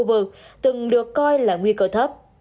khu vực từng được coi là nguy cơ thấp